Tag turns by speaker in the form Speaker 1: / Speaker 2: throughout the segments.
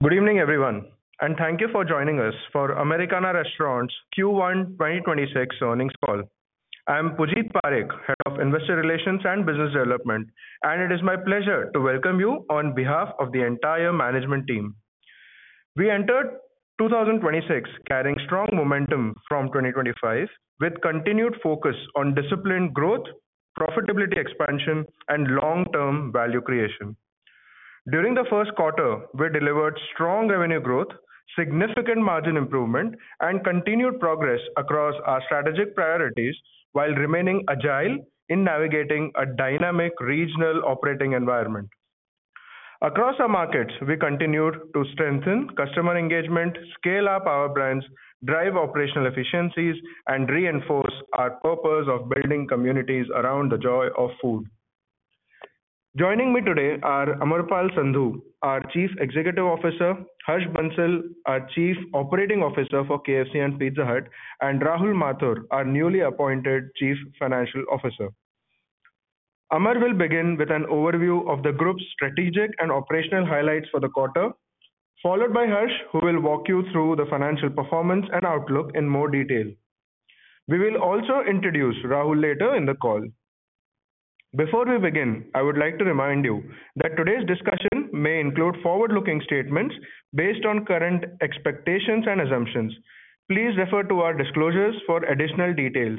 Speaker 1: Good evening, everyone, and thank you for joining us for Americana Restaurants Q1 2026 earnings call. I am Pujeet Parekh, Head of Investor Relations and Business Development, and it is my pleasure to welcome you on behalf of the entire management team. We entered 2026 carrying strong momentum from 2025, with continued focus on disciplined growth, profitability expansion and long-term value creation. During the first quarter, we delivered strong revenue growth, significant margin improvement, and continued progress across our strategic priorities while remaining agile in navigating a dynamic regional operating environment. Across our markets, we continued to strengthen customer engagement, scale up our brands, drive operational efficiencies, and reinforce our purpose of building communities around the joy of food. Joining me today are Amarpal Sandhu, our Chief Executive Officer, Harsh Bansal, our Chief Operating Officer for KFC and Pizza Hut, and Rahul Mathur, our newly appointed Chief Financial Officer. Amar will begin with an overview of the group's strategic and operational highlights for the quarter, followed by Harsh, who will walk you through the financial performance and outlook in more detail. We will also introduce Rahul later in the call. Before we begin, I would like to remind you that today's discussion may include forward-looking statements based on current expectations and assumptions. Please refer to our disclosures for additional details.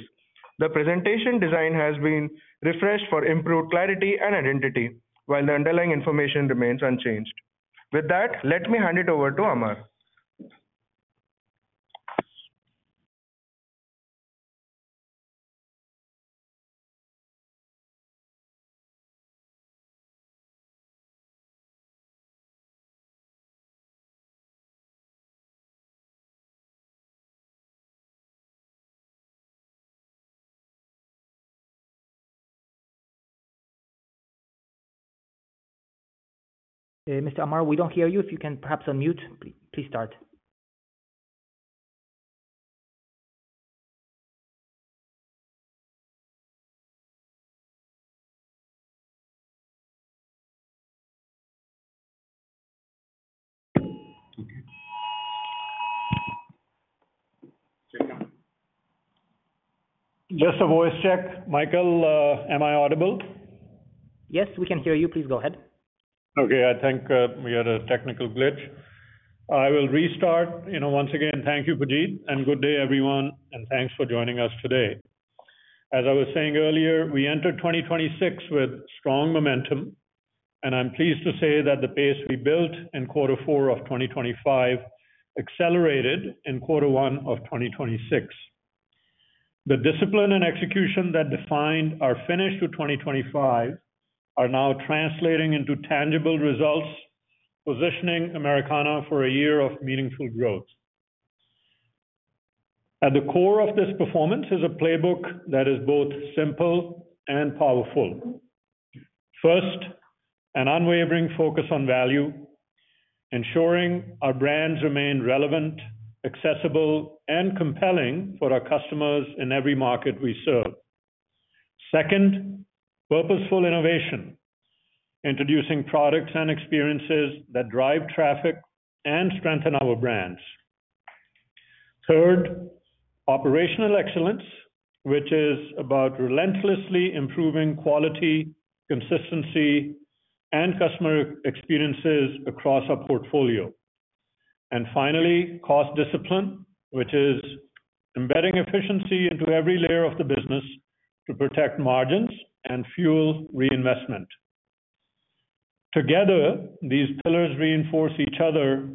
Speaker 1: The presentation design has been refreshed for improved clarity and identity while the underlying information remains unchanged. With that, let me hand it over to Amar.
Speaker 2: Mr. Amar, we don't hear you. If you can perhaps unmute, please start.
Speaker 3: Okay. Just a voice check. Michael, am I audible?
Speaker 2: Yes, we can hear you. Please go ahead.
Speaker 3: Okay. I think we had a technical glitch. I will restart. You know, once again, thank you, Pujeet, and good day, everyone, and thanks for joining us today. As I was saying earlier, we entered 2026 with strong momentum, and I'm pleased to say that the pace we built in quarter four of 2025 accelerated in quarter one of 2026. The discipline and execution that defined our finish to 2025 are now translating into tangible results, positioning Americana for a year of meaningful growth. At the core of this performance is a playbook that is both simple and powerful. First, an unwavering focus on value, ensuring our brands remain relevant, accessible, and compelling for our customers in every market we serve. Second, purposeful innovation, introducing products and experiences that drive traffic and strengthen our brands. Operational excellence, which is about relentlessly improving quality, consistency, and customer experiences across our portfolio. Finally, cost discipline, which is embedding efficiency into every layer of the business to protect margins and fuel reinvestment. Together, these pillars reinforce each other,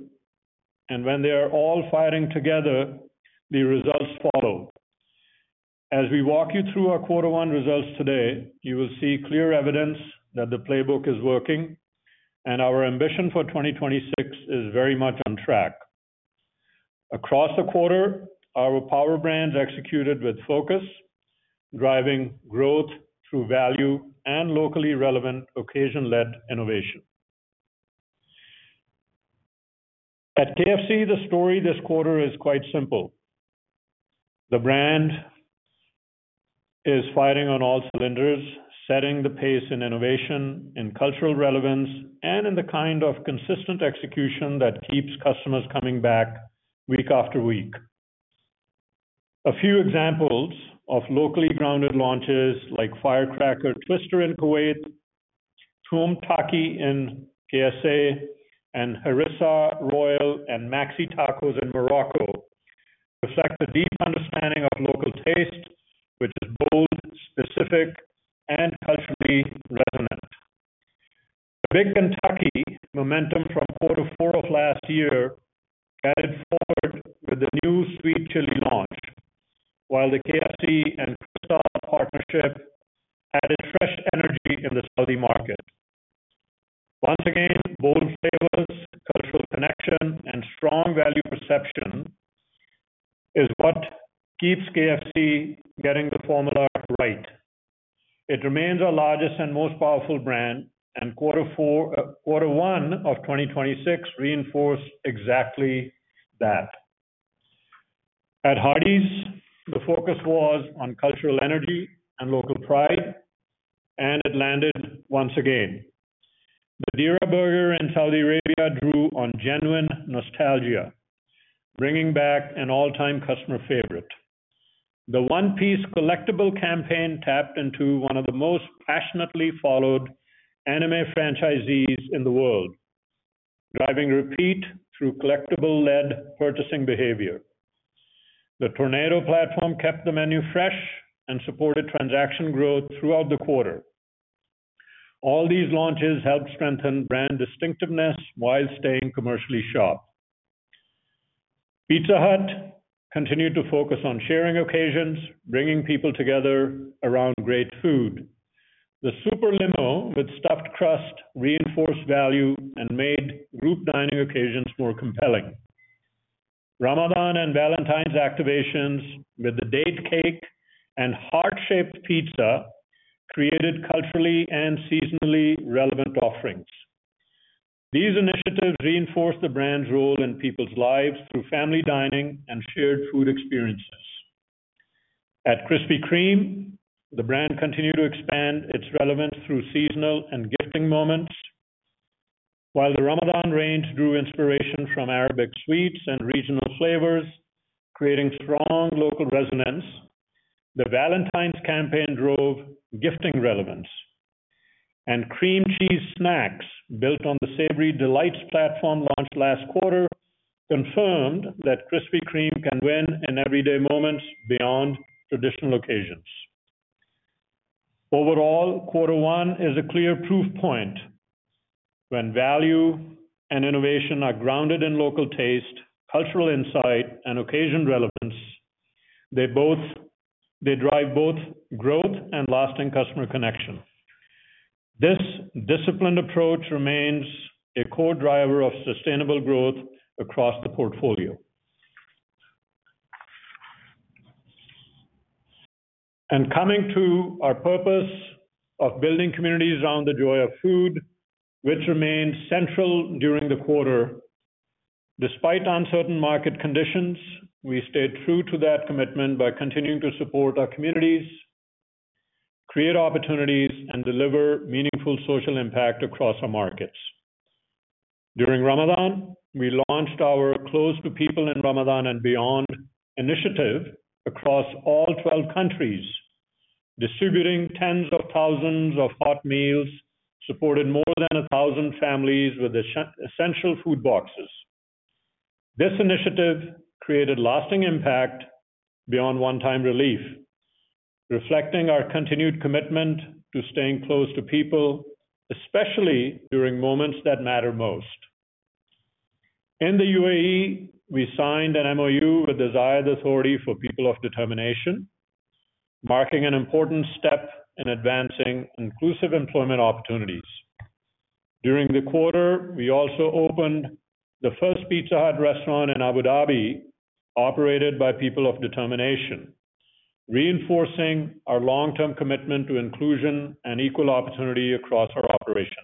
Speaker 3: and when they are all firing together, the results follow. As we walk you through our quarter one results today, you will see clear evidence that the playbook is working and our ambition for 2026 is very much on track. Across the quarter, our Power Brands executed with focus, driving growth through value and locally relevant occasion-led innovation. At KFC, the story this quarter is quite simple. The brand is firing on all cylinders, setting the pace in innovation, in cultural relevance, and in the kind of consistent execution that keeps customers coming back week after week. A few examples of locally grounded launches like Firecracker Twister in Kuwait, Tuum Taki in K.S.A., and Harissa Royal and Maxi Tacos in Morocco reflect a deep understanding of local taste, which is bold, specific, and culturally resonant. The Big Kentucky momentum from quarter four of last year carried forward with the new sweet chili launch. The KFC and Cristal partnership added fresh energy in the Saudi market. Once again, bold flavors, cultural connection, and strong value perception is what keeps KFC getting the formula right. It remains our largest and most powerful brand, quarter one of 2026 reinforced exactly that. At Hardee's, the focus was on cultural energy and local pride, it landed once again. The Dera Burger in Saudi Arabia drew on genuine nostalgia, bringing back an all-time customer favorite. The One Piece collectible campaign tapped into one of the most passionately followed anime franchisees in the world, driving repeat through collectible-led purchasing behavior. The Tornado platform kept the menu fresh and supported transaction growth throughout the quarter. All these launches helped strengthen brand distinctiveness while staying commercially sharp. Pizza Hut continued to focus on sharing occasions, bringing people together around great food. The Super Limo with stuffed crust reinforced value and made group dining occasions more compelling. Ramadan and Valentine's activations with the date cake and heart-shaped pizza created culturally and seasonally relevant offerings. These initiatives reinforced the brand's role in people's lives through family dining and shared food experiences. At Krispy Kreme, the brand continued to expand its relevance through seasonal and gifting moments. While the Ramadan range drew inspiration from Arabic sweets and regional flavors, creating strong local resonance, the Valentine's campaign drove gifting relevance. Cream Cheese snacks built on the savory delights platform launched last quarter confirmed that Krispy Kreme can win in everyday moments beyond traditional occasions. Overall, quarter one is a clear proof point when value and innovation are grounded in local taste, cultural insight, and occasion relevance, they drive both growth and lasting customer connection. This disciplined approach remains a core driver of sustainable growth across the portfolio. Coming to our purpose of building communities around the joy of food, which remained central during the quarter. Despite uncertain market conditions, we stayed true to that commitment by continuing to support our communities, create opportunities, and deliver meaningful social impact across our markets. During Ramadan, we launched our Close to People in Ramadan and Beyond initiative across all 12 countries, distributing tens of thousands of hot meals, supported more than 1,000 families with essential food boxes. This initiative created lasting impact beyond one-time relief, reflecting our continued commitment to staying close to people, especially during moments that matter most. In the U.A.E., we signed an MOU with the Zayed Authority for People of Determination, marking an important step in advancing inclusive employment opportunities. During the quarter, we also opened the first Pizza Hut restaurant in Abu Dhabi, operated by People of Determination, reinforcing our long-term commitment to inclusion and equal opportunity across our operations.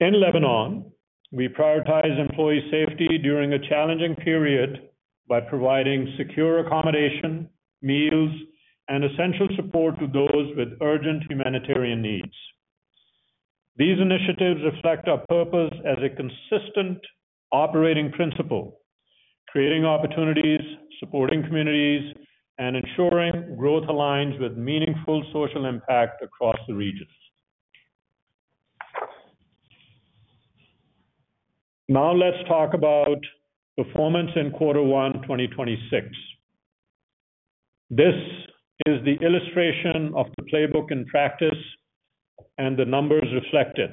Speaker 3: In Lebanon, we prioritize employee safety during a challenging period by providing secure accommodation, meals, and essential support to those with urgent humanitarian needs. These initiatives reflect our purpose as a consistent operating principle, creating opportunities, supporting communities, and ensuring growth aligns with meaningful social impact across the regions. Let's talk about performance in quarter one 2026. This is the illustration of the playbook in practice and the numbers reflect it.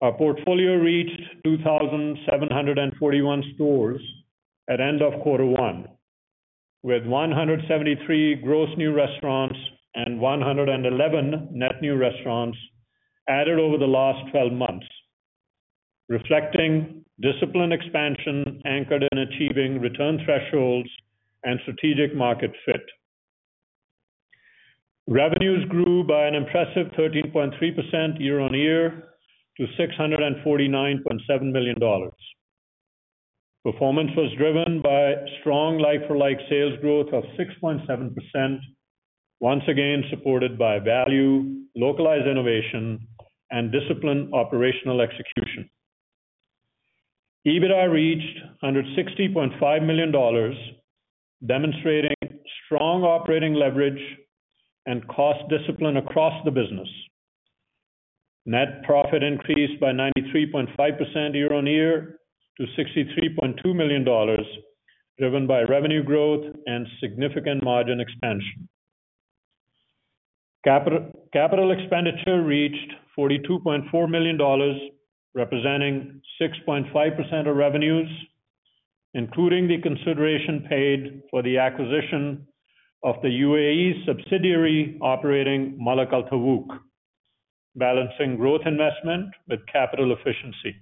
Speaker 3: Our portfolio reached 2,741 stores at end of quarter one, with 173 gross new restaurants and 111 net new restaurants added over the last 12 months, reflecting disciplined expansion anchored in achieving return thresholds and strategic market fit. Revenues grew by an impressive 13.3% year-on-year to $649.7 million. Performance was driven by strong like-for-like sales growth of 6.7%, once again supported by value, localized innovation, and disciplined operational execution. EBITDA reached $160.5 million, demonstrating strong operating leverage and cost discipline across the business. Net profit increased by 93.5% year-over-year to $63.2 million, driven by revenue growth and significant margin expansion. Capital expenditure reached $42.4 million, representing 6.5% of revenues, including the consideration paid for the acquisition of the U.A.E. subsidiary operating Malak Al Tawouk, balancing growth investment with capital efficiency.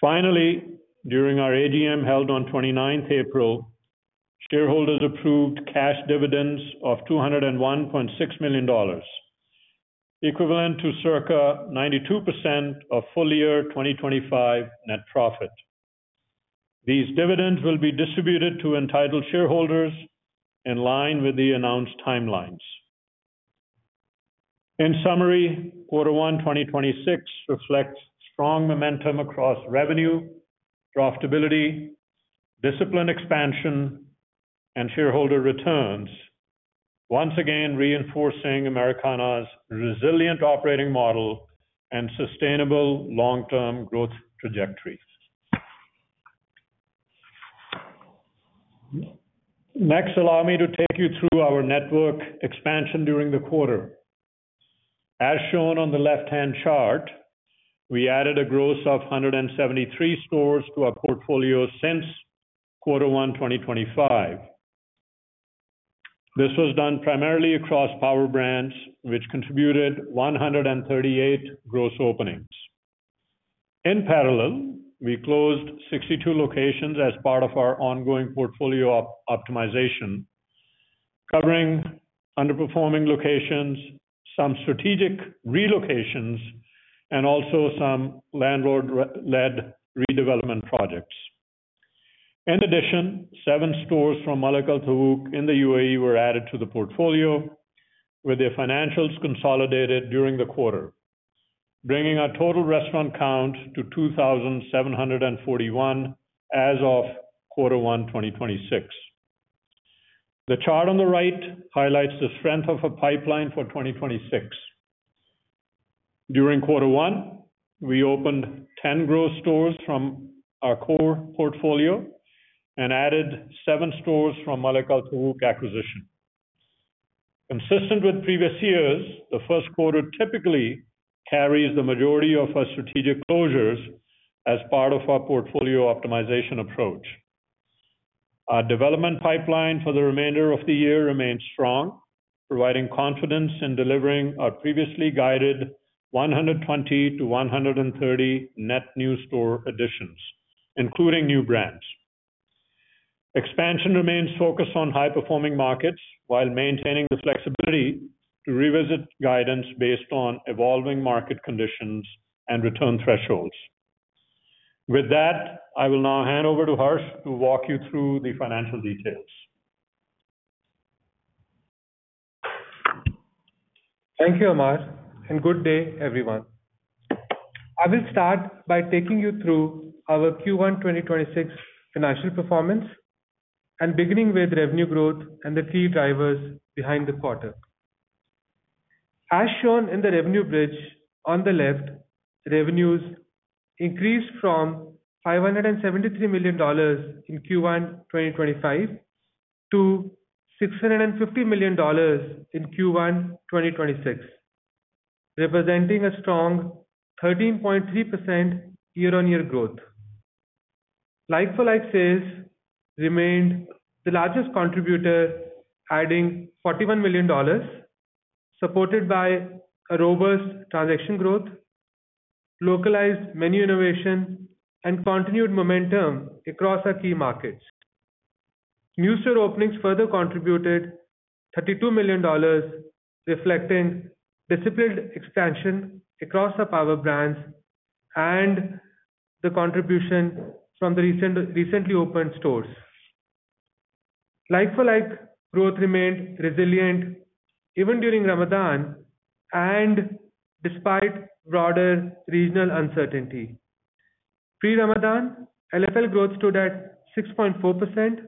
Speaker 3: Finally, during our AGM held on 29th April, shareholders approved cash dividends of $201.6 million, equivalent to circa 92% of full year 2025 net profit. These dividends will be distributed to entitled shareholders in line with the announced timelines. In summary, Q1 2026 reflects strong momentum across revenue, profitability, disciplined expansion and shareholder returns. Once again, reinforcing Americana's resilient operating model and sustainable long-term growth trajectory. Allow me to take you through our network expansion during the quarter. As shown on the left-hand chart, we added a gross of 173 stores to our portfolio since quarter one 2025. This was done primarily across Power Brands, which contributed 138 gross openings. In parallel, we closed 62 locations as part of our ongoing portfolio optimization, covering underperforming locations, some strategic relocations, and also some landlord re-led redevelopment projects. In addition, seven stores from Malak Al Tawouk in the U.A.E. were added to the portfolio with their financials consolidated during the quarter, bringing our total restaurant count to 2,741 as of quarter one 2026. The chart on the right highlights the strength of a pipeline for 2026. During quarter one, we opened 10 growth stores from our core portfolio and added seven stores from Malak Al Tawouk acquisition. Consistent with previous years, the first quarter typically carries the majority of our strategic closures as part of our portfolio optimization approach. Our development pipeline for the remainder of the year remains strong, providing confidence in delivering our previously guided 120-130 net new store additions, including new brands. Expansion remains focused on high-performing markets while maintaining the flexibility to revisit guidance based on evolving market conditions and return thresholds. With that, I will now hand over to Harsh to walk you through the financial details.
Speaker 4: Thank you, Amar. Good day, everyone. I will start by taking you through our Q1 2026 financial performance and beginning with revenue growth and the key drivers behind the quarter. As shown in the revenue bridge on the left, revenues increased from $573 million in Q1 2025 to $650 million in Q1 2026, representing a strong 13.3% year-on-year growth. Like-for-like sales remained the largest contributor, adding $41 million, supported by a robust transaction growth, localized menu innovations, and continued momentum across our key markets. New store openings further contributed $32 million, reflecting disciplined expansion across the Power Brands and the contribution from the recently opened stores. Like-for-like growth remained resilient even during Ramadan and despite broader regional uncertainty. Pre-Ramadan, LFL growth stood at 6.4%,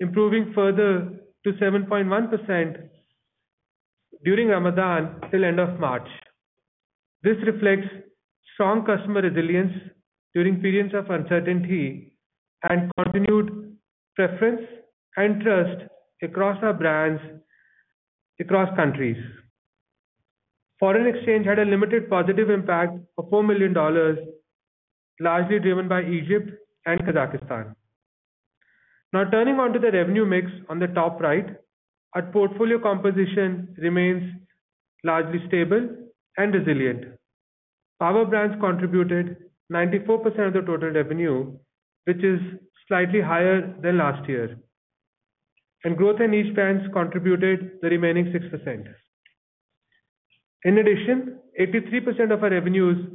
Speaker 4: improving further to 7.1% during Ramadan till end of March. This reflects strong customer resilience during periods of uncertainty and continued preference and trust across our brands, across countries. Foreign exchange had a limited positive impact of $4 million, largely driven by Egypt and Kazakhstan. Turning on to the revenue mix on the top right. Our portfolio composition remains largely stable and resilient. Power Brands contributed 94% of the total revenue, which is slightly higher than last year. Growth in niche brands contributed the remaining 6%. In addition, 83% of our revenues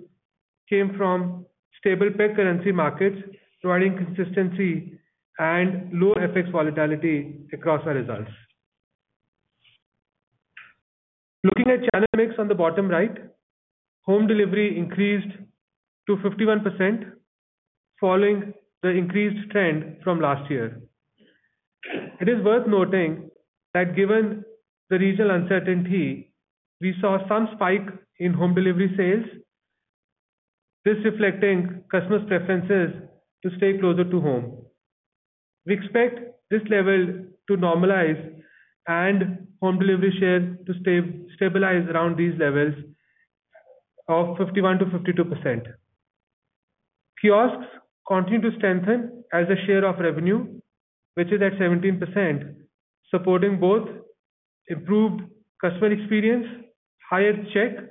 Speaker 4: came from stable peg currency markets, providing consistency and low FX volatility across our results. Looking at channel mix on the bottom right, home delivery increased to 51% following the increased trend from last year. It is worth noting that given the regional uncertainty, we saw some spike in home delivery sales. This reflecting customers preferences to stay closer to home. We expect this level to normalize and home delivery shares to stabilize around these levels of 51%-52%. Kiosks continue to strengthen as a share of revenue, which is at 17%, supporting both improved customer experience, higher check,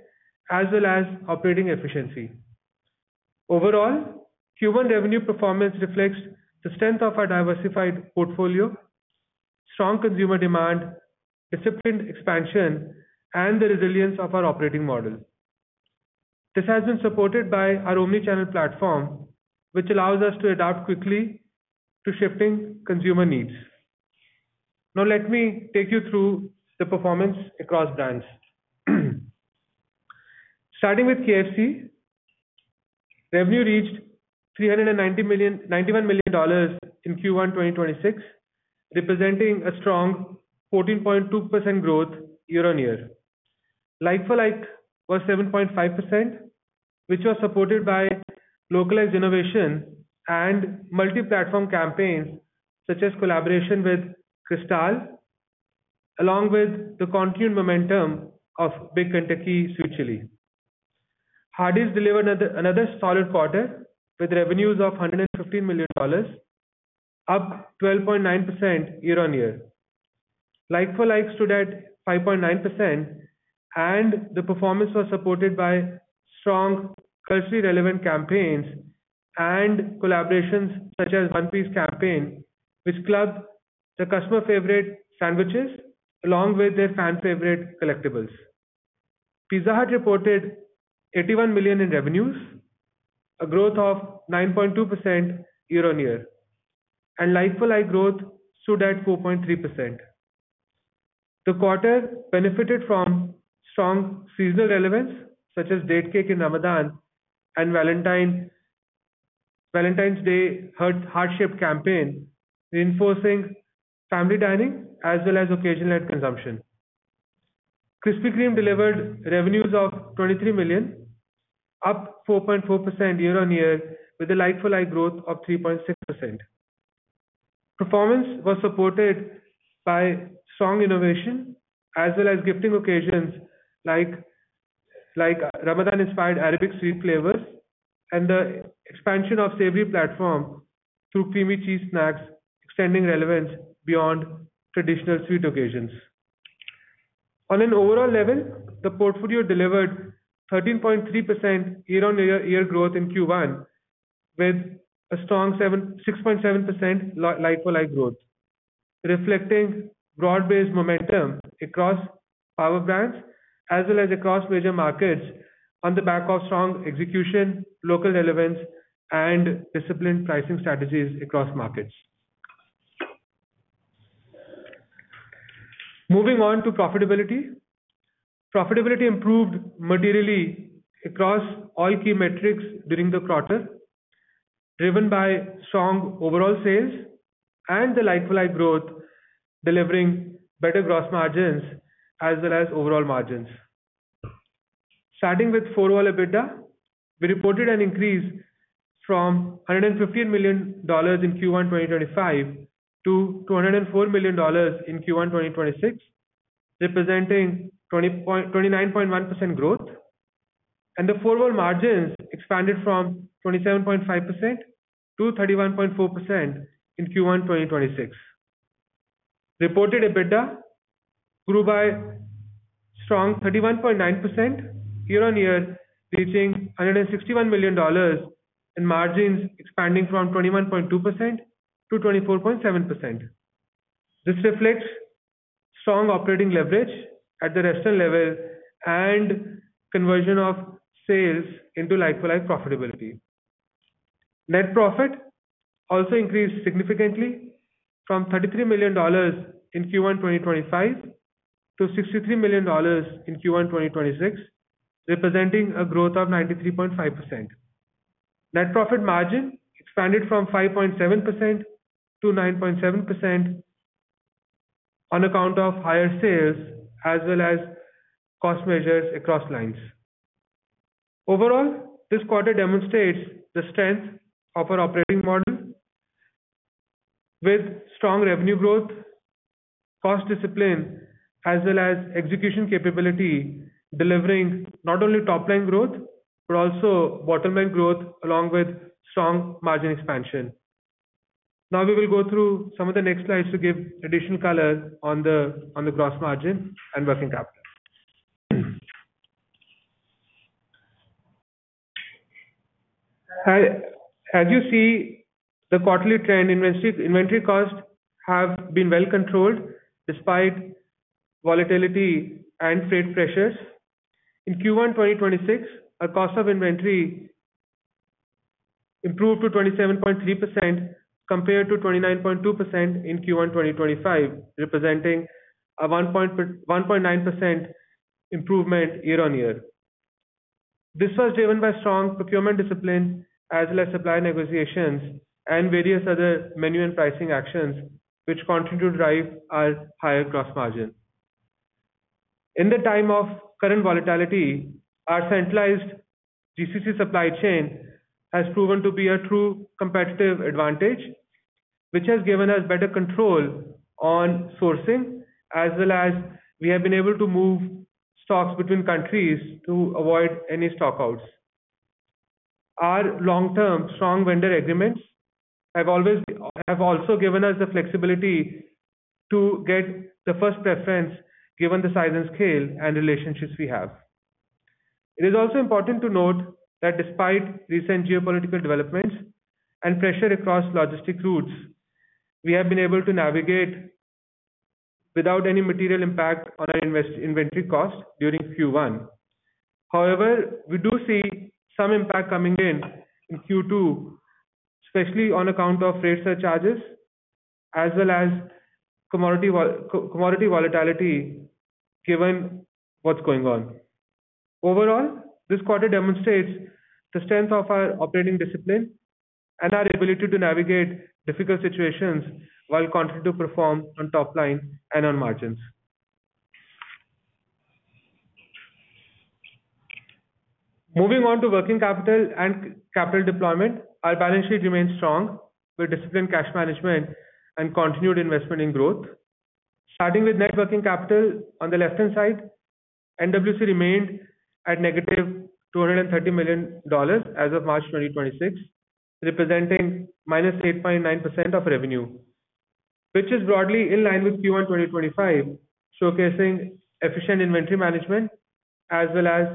Speaker 4: as well as operating efficiency. Overall, Q1 revenue performance reflects the strength of our diversified portfolio, strong consumer demand, disciplined expansion, and the resilience of our operating model. This has been supported by our omni-channel platform, which allows us to adapt quickly to shifting consumer needs. Let me take you through the performance across brands. Starting with KFC, revenue reached $391 million in Q1 2026, representing a strong 14.2% growth year-on-year. Like-for-like was 7.5%, which was supported by localized innovation and multi-platform campaigns, such as collaboration with Cristal, along with the continued momentum of Big Kentucky Sweet Chili. Hardee's delivered another solid quarter with revenues of $115 million, up 12.9% year-on-year. Like-for-like stood at 5.9%, the performance was supported by strong culturally relevant campaigns and collaborations such as One Piece campaign, which clubs the customer favorite sandwiches along with their fan favorite collectibles. Pizza Hut reported $81 million in revenues, a growth of 9.2% year-on-year, and like-for-like growth stood at 4.3%. The quarter benefited from strong seasonal relevance, such as date cake in Ramadan and Valentine's Day Heart-shaped campaign, reinforcing family dining as well as occasional consumption. Krispy Kreme delivered revenues of $23 million, up 4.4% year-on-year with a like-for-like growth of 3.6%. Performance was supported by strong innovation as well as gifting occasions like Ramadan-inspired Arabic sweet flavors and the expansion of savory platform through Cream Cheese snacks, extending relevance beyond traditional sweet occasions. On an overall level, the portfolio delivered 13.3% year-on-year growth in Q1 with a strong 6.7% like-for-like growth, reflecting broad-based momentum across our brands as well as across major markets on the back of strong execution, local relevance, and disciplined pricing strategies across markets. Moving on to profitability. Profitability improved materially across all key metrics during the quarter, driven by strong overall sales and the like-for-like growth, delivering better gross margins as well as overall margins. Starting with full-year EBITDA, we reported an increase from $115 million in Q1 2025 to $204 million in Q1 2026, representing 29.1% growth. The full-year margins expanded from 27.5% to 31.4% in Q1 2026. Reported EBITDA grew by strong 31.9% year-on-year, reaching $161 million, margins expanding from 21.2% to 24.7%. This reflects strong operating leverage at the restaurant level and conversion of sales into like-for-like profitability. Net profit also increased significantly from $33 million in Q1 2025 to $63 million in Q1 2026, representing a growth of 93.5%. Net profit margin expanded from 5.7% to 9.7% on account of higher sales as well as cost measures across lines. Overall, this quarter demonstrates the strength of our operating model with strong revenue growth, cost discipline, as well as execution capability, delivering not only top-line growth, but also bottom-line growth along with strong margin expansion. Now, we will go through some of the next slides to give additional color on the gross margin and working capital. As you see, the quarterly trend inventory costs have been well controlled despite volatility and freight pressures. In Q1 2026, our cost of inventory improved to 27.3% compared to 29.2% in Q1 2025, representing a 1.9% improvement year-on-year. This was driven by strong procurement discipline as well as supplier negotiations and various other menu and pricing actions which continue to drive our higher gross margin. In the time of current volatility, our centralized GCC supply chain has proven to be a true competitive advantage, which has given us better control on sourcing as well as we have been able to move stocks between countries to avoid any stock-outs. Our long-term strong vendor agreements have also given us the flexibility to get the first preference given the size and scale and relationships we have. It is also important to note that despite recent geopolitical developments and pressure across logistic routes, we have been able to navigate without any material impact on our invest-inventory costs during Q1. We do see some impact coming in in Q2, especially on account of rate surcharges as well as commodity volatility given what's going on. This quarter demonstrates the strength of our operating discipline and our ability to navigate difficult situations while continuing to perform on top line and on margins. Moving on to working capital and capital deployment. Our balance sheet remains strong, with disciplined cash management and continued investment in growth. Starting with net working capital on the left-hand side, NWC remained at -$230 million as of March 2026, representing -8.9% of revenue, which is broadly in line with Q1 2025, showcasing efficient inventory management as well as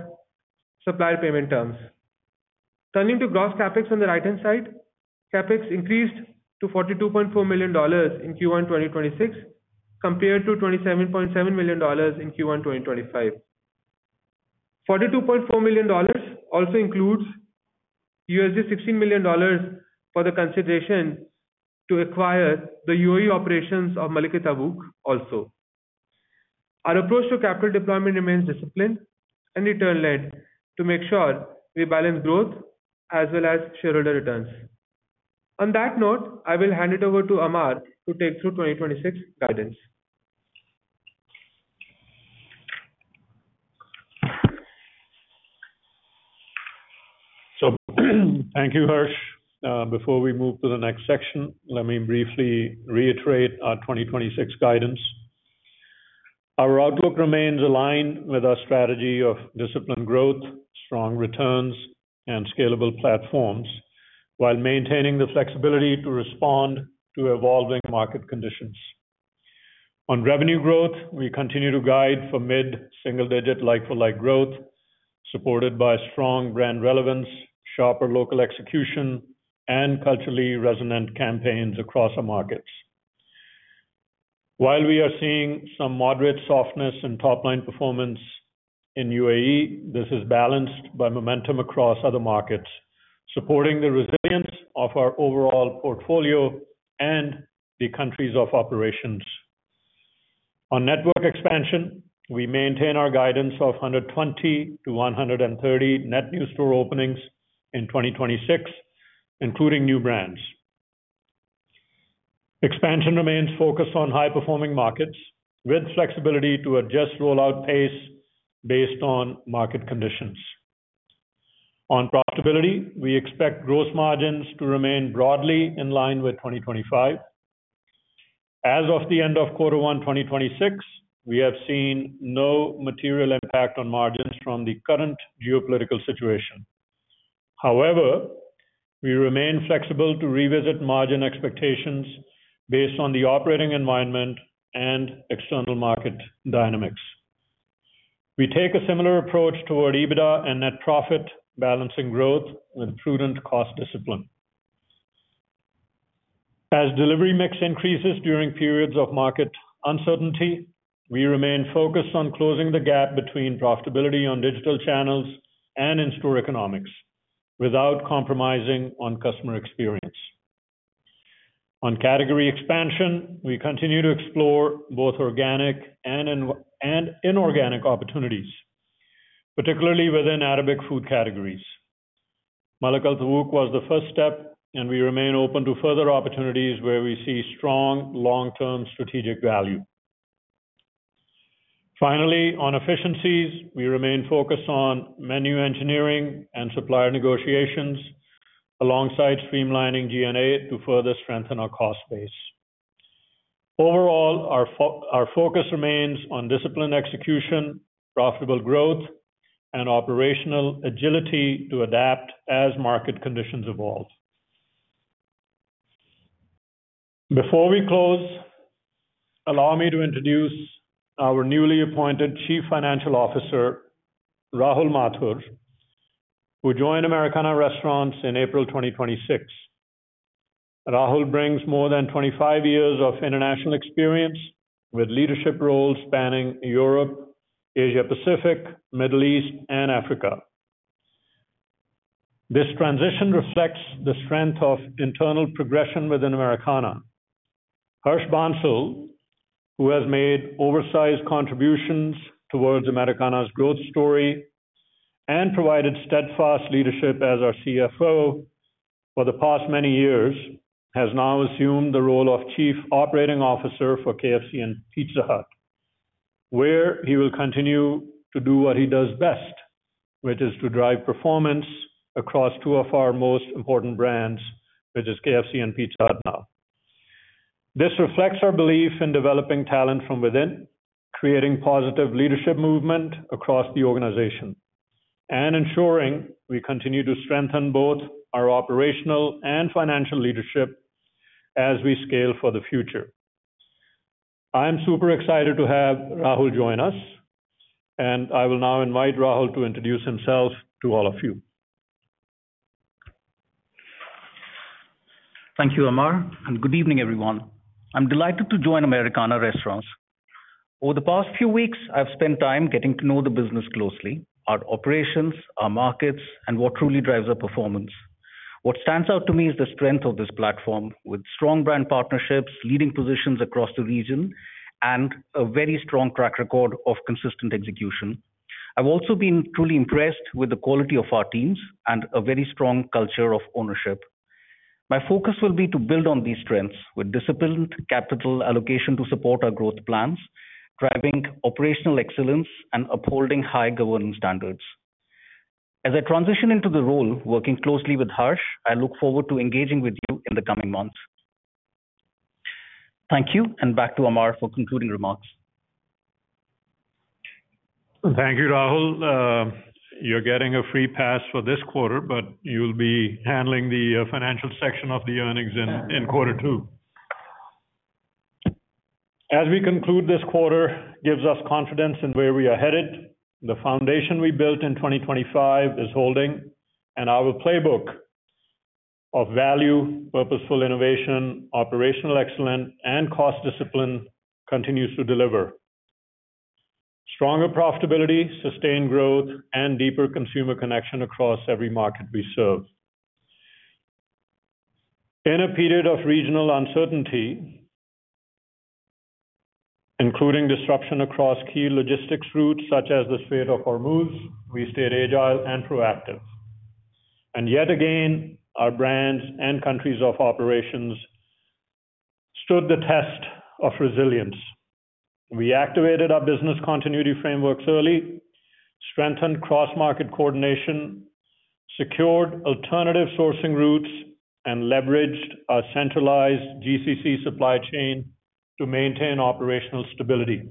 Speaker 4: supplier payment terms. Turning to gross CapEx on the right-hand side, CapEx increased to $42.4 million in Q1 2026 compared to $27.7 million in Q1 2025. $42.4 million also includes $16 million for the consideration to acquire the U.A.E. operations of Malak Al Tawouk also. Our approach to capital deployment remains disciplined and return led to make sure we balance growth as well as shareholder returns. On that note, I will hand it over to Amar to take through 2026 guidance.
Speaker 3: Thank you, Harsh. Before we move to the next section, let me briefly reiterate our 2026 guidance. Our outlook remains aligned with our strategy of disciplined growth, strong returns, and scalable platforms while maintaining the flexibility to respond to evolving market conditions. On revenue growth, we continue to guide for mid-single digit like-for-like growth, supported by strong brand relevance, sharper local execution, and culturally resonant campaigns across our markets. While we are seeing some moderate softness in top-line performance in U.A.E., this is balanced by momentum across other markets, supporting the resilience of our overall portfolio and the countries of operations. On network expansion, we maintain our guidance of 120-130 net new store openings in 2026, including new brands. Expansion remains focused on high-performing markets with flexibility to adjust rollout pace based on market conditions. On profitability, we expect gross margins to remain broadly in line with 2025. As of the end of quarter one 2026, we have seen no material impact on margins from the current geopolitical situation. However, we remain flexible to revisit margin expectations based on the operating environment and external market dynamics. We take a similar approach toward EBITDA and net profit, balancing growth with prudent cost discipline. As delivery mix increases during periods of market uncertainty, we remain focused on closing the gap between profitability on digital channels and in-store economics without compromising on customer experience. On category expansion, we continue to explore both organic and inorganic opportunities, particularly within Arabic food categories. Malak Al Tawouk was the first step, and we remain open to further opportunities where we see strong long-term strategic value. Finally, on efficiencies, we remain focused on menu engineering and supplier negotiations alongside streamlining G&A to further strengthen our cost base. Overall, our focus remains on disciplined execution, profitable growth, and operational agility to adapt as market conditions evolve. Before we close, allow me to introduce our newly appointed Chief Financial Officer, Rahul Mathur, who joined Americana Restaurants in April 2026. Rahul brings more than 25 years of international experience with leadership roles spanning Europe, Asia-Pacific, Middle East, and Africa. This transition reflects the strength of internal progression within Americana. Harsh Bansal, who has made oversized contributions towards Americana Restaurants’ growth story and provided steadfast leadership as our CFO for the past many years, has now assumed the role of Chief Operating Officer for KFC and Pizza Hut, where he will continue to do what he does best, which is to drive performance across two of our most important brands, which is KFC and Pizza Hut now. This reflects our belief in developing talent from within, creating positive leadership movement across the organization and ensuring we continue to strengthen both our operational and financial leadership as we scale for the future. I am super excited to have Rahul join us, and I will now invite Rahul to introduce himself to all of you.
Speaker 5: Thank you, Amar, and good evening, everyone. I'm delighted to join Americana Restaurants. Over the past few weeks, I've spent time getting to know the business closely, our operations, our markets, and what truly drives our performance. What stands out to me is the strength of this platform, with strong brand partnerships, leading positions across the region, and a very strong track record of consistent execution. I've also been truly impressed with the quality of our teams and a very strong culture of ownership. My focus will be to build on these strengths with disciplined capital allocation to support our growth plans, driving operational excellence and upholding high governing standards. As I transition into the role, working closely with Harsh, I look forward to engaging with you in the coming months. Thank you, and back to Amar for concluding remarks.
Speaker 3: Thank you, Rahul. You're getting a free pass for this quarter, you'll be handling the financial section of the earnings in quarter two. As we conclude, this quarter gives us confidence in where we are headed. The foundation we built in 2025 is holding, our playbook of value, purposeful innovation, operational excellence, and cost discipline continues to deliver stronger profitability, sustained growth, and deeper consumer connection across every market we serve. In a period of regional uncertainty, including disruption across key logistics routes such as the Strait of Hormuz, we stayed agile and proactive. Yet again, our brands and countries of operations stood the test of resilience. We activated our business continuity frameworks early, strengthened cross-market coordination, secured alternative sourcing routes, and leveraged our centralized GCC supply chain to maintain operational stability.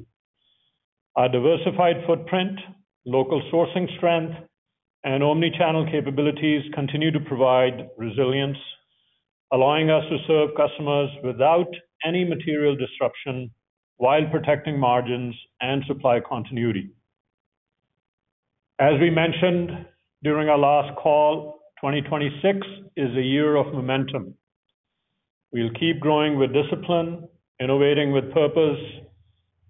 Speaker 3: Our diversified footprint, local sourcing strength, and omni-channel capabilities continue to provide resilience, allowing us to serve customers without any material disruption while protecting margins and supply continuity. As we mentioned during our last call, 2026 is a year of momentum. We'll keep growing with discipline, innovating with purpose,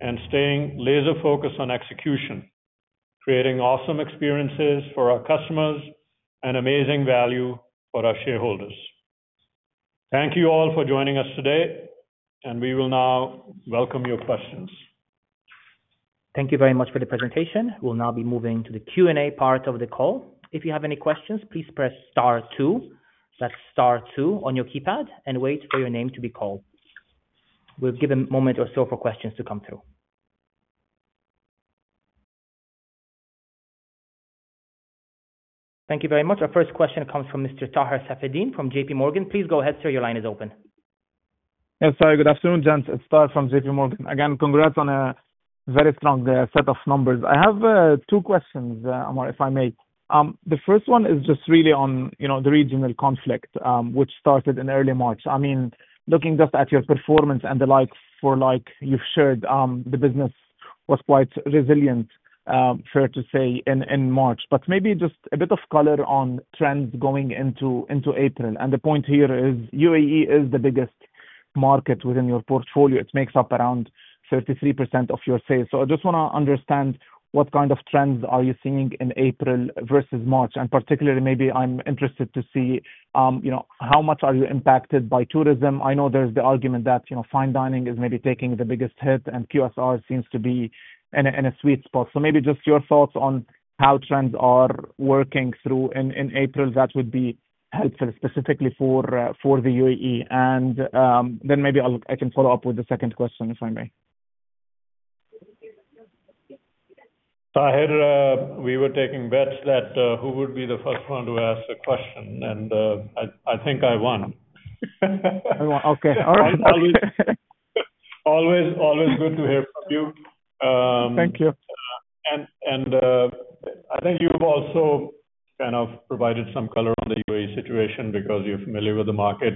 Speaker 3: and staying laser-focused on execution, creating awesome experiences for our customers and amazing value for our shareholders. Thank you all for joining us today, and we will now welcome your questions.
Speaker 2: Thank you very much for the presentation. We'll now be moving to the Q&A part of the call. If you have any questions, please press star two, that's star two on your keypad and wait for your name to be called. We'll give a moment or so for questions to come through. Thank you very much. Our first question comes from Mr. Taher Safieddine from JPMorgan. Please go ahead, sir. Your line is open.
Speaker 6: Yeah. Sorry, good afternoon, gents. It is Taher from JPMorgan. Again, congrats on a very strong set of numbers. I have two questions, Amar, if I may. The first one is just really on, you know, the regional conflict, which started in early March. I mean, looking just at your performance and the likes for like you've shared, the business was quite resilient, fair to say in March. Maybe just a bit of color on trends going into April. The point here is U.A.E. is the biggest market within your portfolio. It makes up around 33% of your sales. I just want to understand what kind of trends are you seeing in April versus March? Particularly maybe I am interested to see, you know, how much are you impacted by tourism? I know there's the argument that, you know, fine dining is maybe taking the biggest hit and QSR seems to be in a sweet spot. Maybe just your thoughts on how trends are working through in April, that would be helpful specifically for the U.A.E. Then maybe I can follow up with the second question, if I may.
Speaker 3: Taher, we were taking bets that, who would be the first one to ask a question and, I think I won.
Speaker 6: Okay. All right.
Speaker 3: Always good to hear from you.
Speaker 6: Thank you.
Speaker 3: I think you've also provided some color on the U.A.E. situation because you're familiar with the market.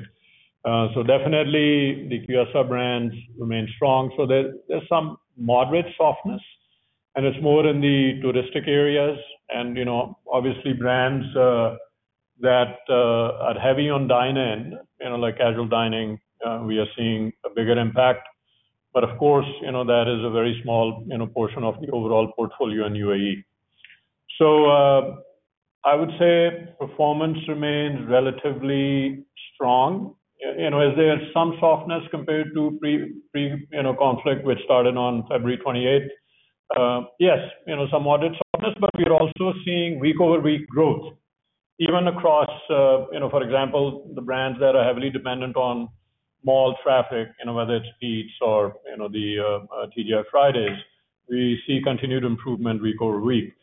Speaker 3: Definitely the QSR brands remain strong. There's some moderate softness and it's more in the touristic areas and obviously brands that are heavy on dine-in, like casual dining, we are seeing a bigger impact. Of course, that is a very small portion of the overall portfolio in U.A.E. I would say performance remains relatively strong. Is there some softness compared to pre conflict which started on February 28th? Yes, some moderate softness, but we're also seeing week over week growth even across, for example, the brands that are heavily dependent on mall traffic, whether it's Peet's Coffee or TGI Fridays. We see continued improvement week over week.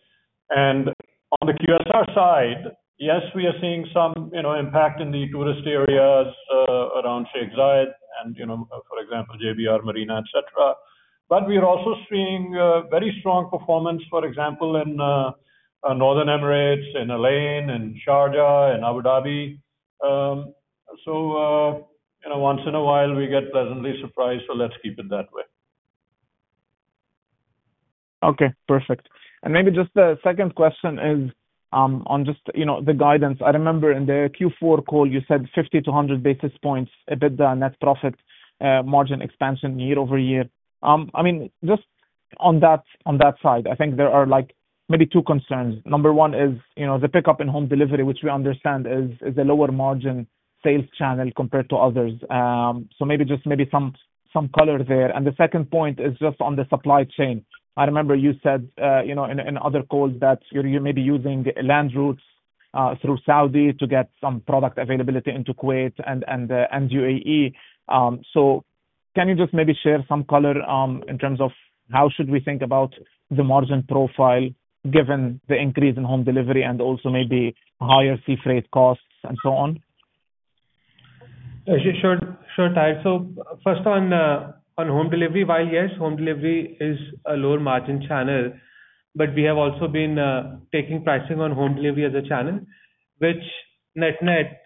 Speaker 3: On the QSR side, yes, we are seeing some impact in the tourist areas around Sheikh Zayed and, for example, JBR Marina, et cetera. We are also seeing very strong performance, for example, in Northern Emirates, in Al Ain, in Sharjah, in Abu Dhabi. Once in a while we get pleasantly surprised, let's keep it that way.
Speaker 6: Okay. Perfect. Maybe just the second question is, on just, you know, the guidance. I remember in the Q4 call you said 50 basis points-100 basis points EBITDA net profit margin expansion year-over-year. I mean, just on that side, I think there are, like, two concerns. Number one is, you know, the pickup in home delivery, which we understand is a lower margin sales channel compared to others. Maybe just some color there. The second point is just on the supply chain. I remember you said, you know, in other calls that you may be using land routes through Saudi to get some product availability into Kuwait and U.A.E. Can you just maybe share some color in terms of how should we think about the margin profile given the increase in home delivery and also maybe higher sea freight costs and so on?
Speaker 4: Sure, Taher. First on home delivery, while, yes, home delivery is a lower margin channel, but we have also been taking pricing on home delivery as a channel which net-net,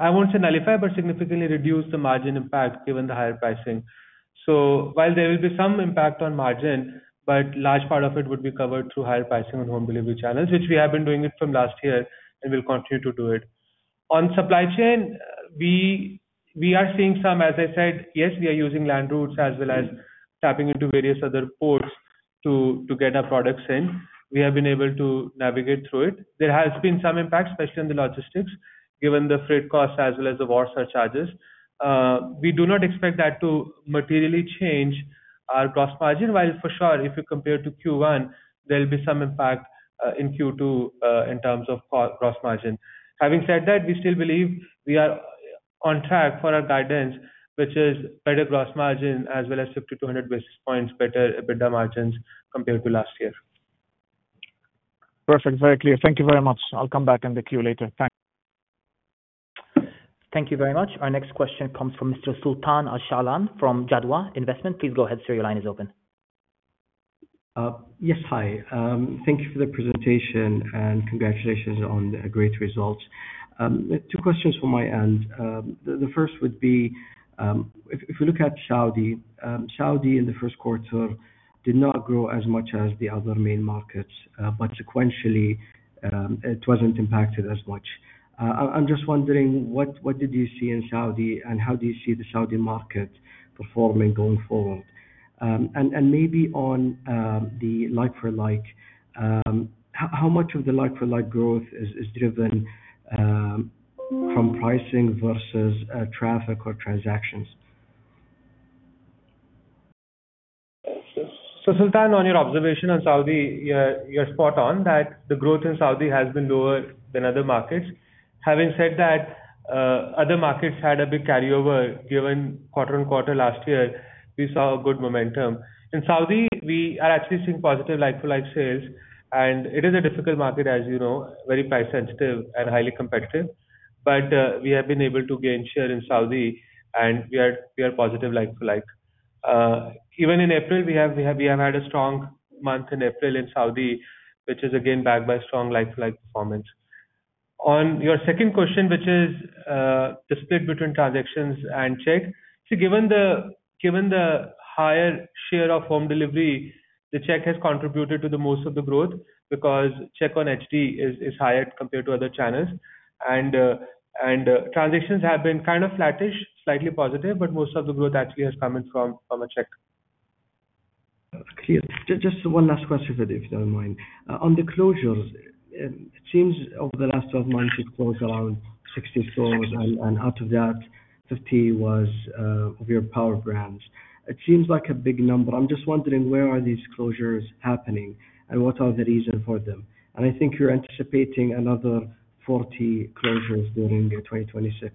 Speaker 4: I won't say nullify, but significantly reduce the margin impact given the higher pricing. While there will be some impact on margin, but large part of it would be covered through higher pricing on home delivery channels, which we have been doing it from last year and will continue to do it. On supply chain, we are seeing some as I said, yes, we are using land routes as well as tapping into various other ports to get our products in. We have been able to navigate through it. There has been some impact, especially in the logistics, given the freight costs as well as the war surcharges. We do not expect that to materially change our gross margin, while for sure, if you compare to Q1, there'll be some impact in Q2 in terms of gross margin. Having said that, we still believe we are on track for our guidance, which is better gross margin as well as 50 basis points-100 basis points better EBITDA margins compared to last year.
Speaker 6: Perfect. Very clear. Thank you very much. I will come back in the queue later. Thanks.
Speaker 2: Thank you very much. Our next question comes from Mr. Sultan Al-Shaalan from Jadwa Investment. Please go ahead, sir. Your line is open.
Speaker 7: Yes. Hi. Thank you for the presentation and congratulations on the great results. Two questions from my end. The first would be, if we look at Saudi in the first quarter did not grow as much as the other main markets, but sequentially, it wasn't impacted as much. I'm just wondering what did you see in Saudi, and how do you see the Saudi market performing going forward? Maybe on the like-for-like, how much of the like-for-like growth is driven from pricing versus traffic or transactions?
Speaker 4: Sultan, on your observation on Saudi, you're spot on that the growth in Saudi has been lower than other markets. Having said that, other markets had a big carryover given quarter on quarter last year, we saw good momentum. In Saudi, we are actually seeing positive like-for-like sales, and it is a difficult market, as you know, very price sensitive and highly competitive. We have been able to gain share in Saudi, and we are positive like-for-like. Even in April, we have had a strong month in April in Saudi, which is again backed by strong like-for-like performance. On your second question, which is the split between transactions and check. See, given the higher share of home delivery, the check has contributed to the most of the growth because check on HD is higher compared to other channels. Transactions have been kind of flattish, slightly positive, but most of the growth actually has come in from a check.
Speaker 7: Clear. Just one last question for you, if you don't mind. On the closures, it seems over the last 12 months you closed around 64 stores and out of that 50 was of your Power Brands. It seems like a big number. I'm just wondering where are these closures happening and what are the reason for them? I think you're anticipating another 40 closures during 2026.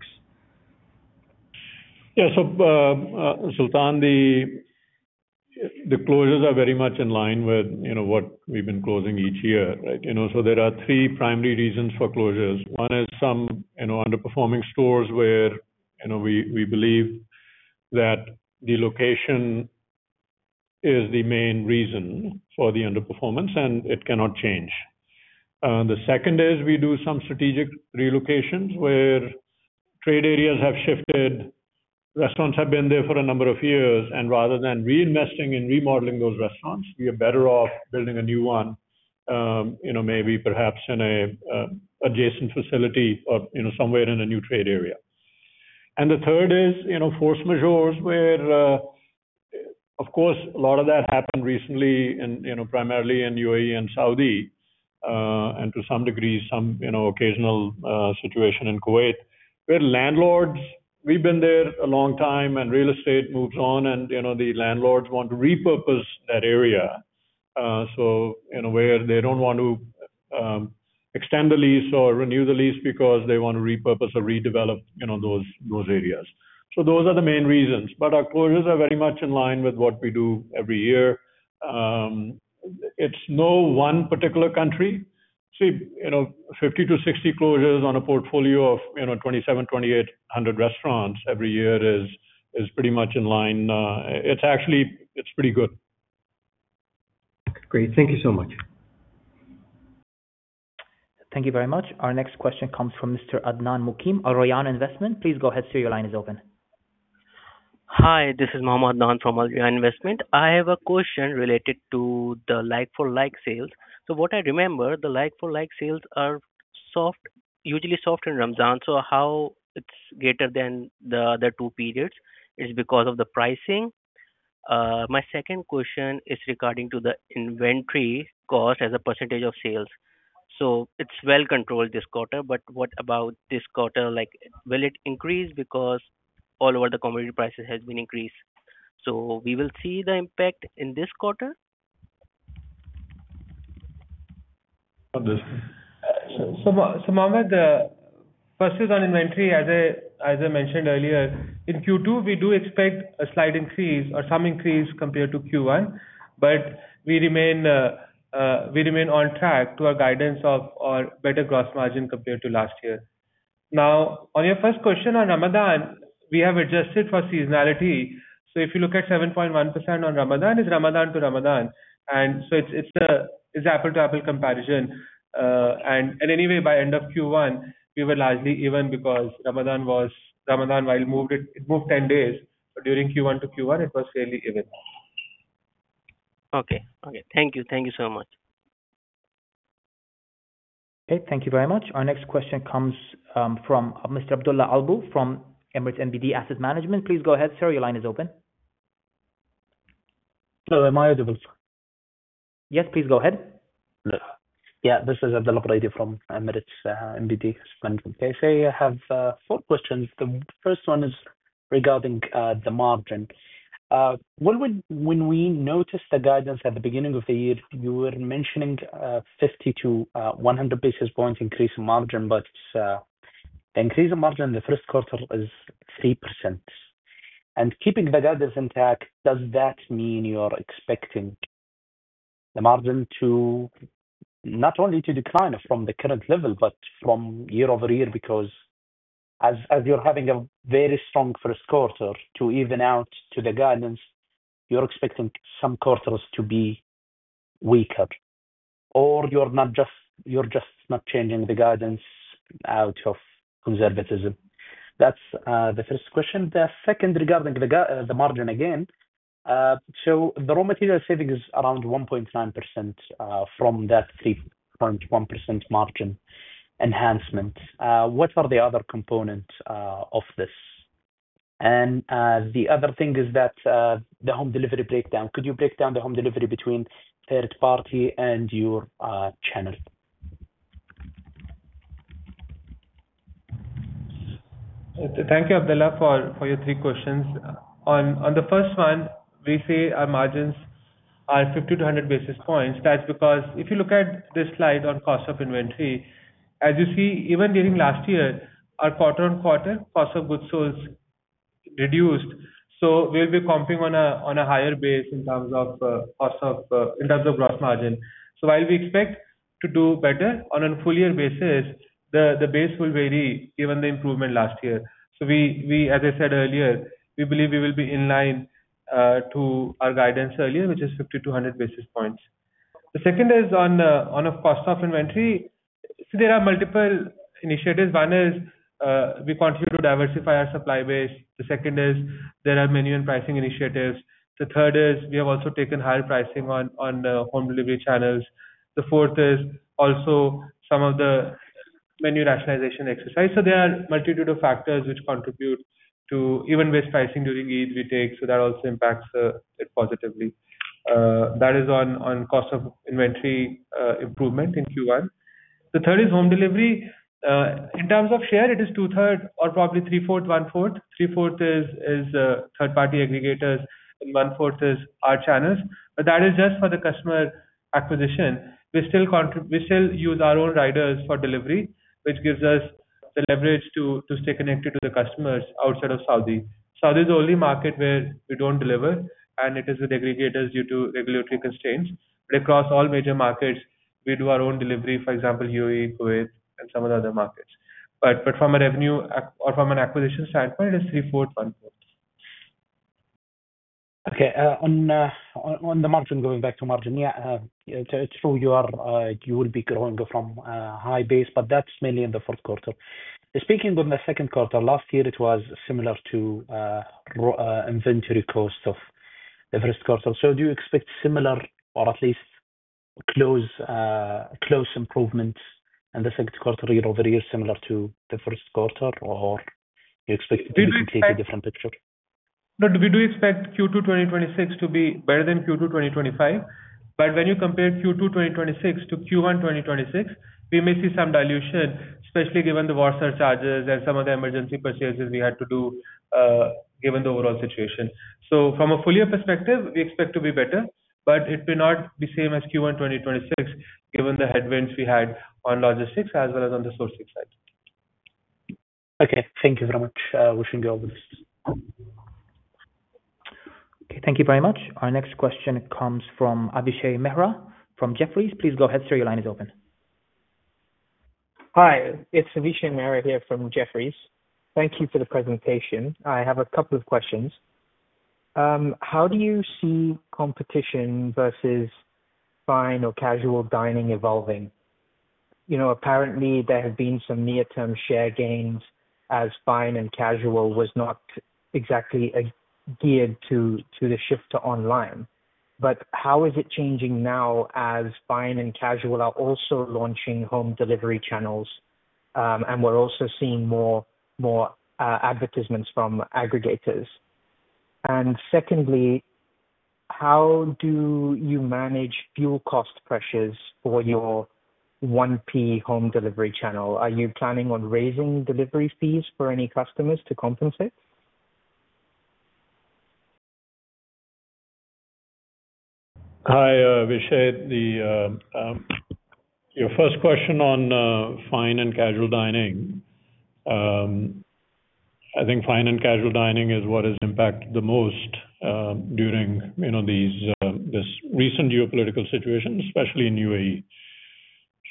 Speaker 3: Sultan, the closures are very much in line with, you know, what we've been closing each year, right? There are three primary reasons for closures. One is some, you know, underperforming stores where, you know, we believe that the location is the main reason for the underperformance, and it cannot change. The second is we do some strategic relocations where trade areas have shifted, restaurants have been there for a number of years, and rather than reinvesting and remodeling those restaurants, we are better off building a new one, you know, maybe perhaps in a adjacent facility or, you know, somewhere in a new trade area. The third is, you know, force majeure where, of course, a lot of that happened recently in, you know, primarily in U.A.E. and Saudi, and to some degree some, you know, occasional situation in Kuwait, where landlords, we've been there a long time and real estate moves on and, you know, the landlords want to repurpose that area. In a way they don't want to extend the lease or renew the lease because they want to repurpose or redevelop, you know, those areas. Those are the main reasons. Our closures are very much in line with what we do every year. It's no one particular country. You know, 50 to 60 closures on a portfolio of, you know, 2,700-2,800 restaurants every year is pretty much in line. It's actually pretty good.
Speaker 7: Great. Thank you so much.
Speaker 2: Thank you very much. Our next question comes from Mr. Adnan Muqeem, Al Rayan Investment. Please go ahead, sir. Your line is open.
Speaker 8: Hi, this is Mohammad Adnan from Al Rayan Investment. I have a question related to the like-for-like sales. What I remember, the like-for-like sales are soft, usually soft in Ramadan, so how it's greater than the other two periods is because of the pricing. My second question is regarding to the inventory cost as a percentage of sales. It's well controlled this quarter, but what about this quarter? Like, will it increase because all over the commodity prices has been increased? We will see the impact in this quarter?
Speaker 3: [Bansal].
Speaker 4: Mohammad, first is on inventory, as I mentioned earlier, in Q2 we do expect a slight increase or some increase compared to Q1, but we remain on track to our guidance of our better gross margin compared to last year. Now, on your first question on Ramadan, we have adjusted for seasonality. If you look at 7.1% on Ramadan, it's Ramadan to Ramadan. It's apple to apple comparison. Anyway by end of Q1 we were largely even because Ramadan was, while moved it moved 10 days, but during Q1 to Q1 it was fairly even.
Speaker 8: Okay. Okay. Thank you. Thank you so much.
Speaker 2: Okay, thank you very much. Our next question comes from Mr. Abdullah Al-Buainain from Emirates NBD Asset Management. Please go ahead, sir, your line is open.
Speaker 9: Hello, am I audible?
Speaker 2: Yes, please go ahead.
Speaker 9: Yeah. This is Abdullah Al-Buainain from Emirates NBD Asset Management. Okay. I have four questions. The first one is regarding the margin. When we noticed the guidance at the beginning of the year, you were mentioning 50 basis points to 100 basis points increase in margin, but the increase in margin in the first quarter is 3%. Keeping the guidance intact, does that mean you're expecting the margin to not only to decline from the current level but from year over year? Because you're having a very strong first quarter to even out to the guidance, you're expecting some quarters to be weaker or you're just not changing the guidance out of conservatism. That's the first question. The second regarding the margin again. The raw material savings is around 1.9% from that 3.1% margin enhancement. What are the other components of this? The other thing is that the home delivery breakdown. Could you break down the home delivery between third party and your channels?
Speaker 4: Thank you, Abdullah, for your three questions. On the first one, we say our margins are 50 basis points-100 basis points. That's because if you look at this slide on cost of inventory, as you see, even during last year, our quarter-on-quarter cost of goods sold reduced. We'll be comping on a higher base in terms of cost of in terms of gross margin. While we expect to do better on a full year basis, the base will vary given the improvement last year. As I said earlier, we believe we will be in line to our guidance earlier, which is 50 basis points-100 basis points. The second is on a cost of inventory. There are multiple initiatives. One is, we continue to diversify our supply base. The second is there are menu and pricing initiatives. The third is we have also taken higher pricing on home delivery channels. The fourth is also some of the menu rationalization exercise. There are multitude of factors which contribute to even with pricing during Eid we take, so that also impacts it positively. That is on cost of inventory, improvement in Q1. The third is home delivery. In terms of share, it is 2/3 or probably 3/4-1/4. Three fourth is third party aggregators and 1/4 is our channels. That is just for the customer acquisition. We still use our own riders for delivery, which gives us the leverage to stay connected to the customers outside of Saudi. Saudi is the only market where we don't deliver. It is with aggregators due to regulatory constraints. Across all major markets we do our own delivery, for example, U.A.E., Kuwait, and some of the other markets. From a revenue or from an acquisition standpoint, it is 3/4-1/4.
Speaker 9: Okay. On the margin, going back to margin. It's true you are, you will be growing from a high base, that's mainly in the fourth quarter. Speaking on the second quarter, last year it was similar to inventory cost of the first quarter. Do you expect similar or at least close improvements in the second quarter year-over-year, similar to the first quarter? You expect it to be a completely different picture?
Speaker 4: We do expect Q2 2026 to be better than Q2 2025. When you compare Q2 2026 to Q1 2026, we may see some dilution, especially given the war surcharges and some of the emergency purchases we had to do, given the overall situation. From a full year perspective, we expect to be better, but it may not be same as Q1 2026, given the headwinds we had on logistics as well as on the sourcing side.
Speaker 9: Okay. Thank you very much. Wishing you all the best.
Speaker 2: Okay, thank you very much. Our next question comes from Avishay Mehra from Jefferies. Please go ahead, sir. Your line is open.
Speaker 10: Hi, it's Avishay Mehra here from Jefferies. Thank you for the presentation. I have a couple of questions. How do you see competition versus fine or casual dining evolving? You know, apparently there have been some near-term share gains as fine and casual was not exactly geared to the shift to online. How is it changing now as fine and casual are also launching home delivery channels, and we're also seeing more advertisements from aggregators? Secondly, how do you manage fuel cost pressures for your 1P home delivery channel? Are you planning on raising delivery fees for any customers to compensate?
Speaker 3: Hi, Avishay. The, your first question on fine and casual dining. I think fine and casual dining is what is impacted the most during, you know, these, this recent geopolitical situation, especially in U.A.E.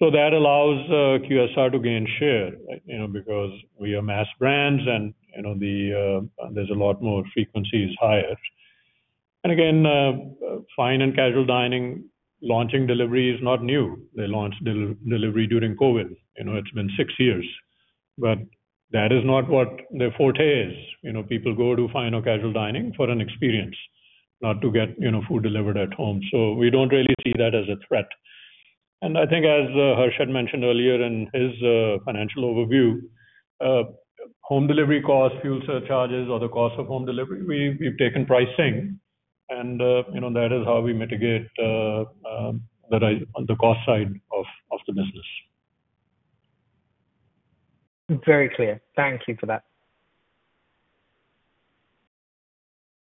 Speaker 3: That allows QSR to gain share, you know, because we are mass brands and, you know, there's a lot more frequency is higher. Again, fine and casual dining launching delivery is not new. They launched delivery during COVID. You know, it's been six years. That is not what their forte is. You know, people go to fine or casual dining for an experience, not to get, you know, food delivered at home. We don't really see that as a threat. I think as Harsh had mentioned earlier in his financial overview, home delivery costs, fuel surcharges or the cost of home delivery, we've taken pricing and, you know, that is how we mitigate on the cost side of the business.
Speaker 10: Very clear. Thank you for that.